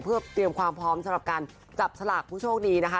เพื่อเตรียมความพร้อมสำหรับการจับสลากผู้โชคดีนะคะ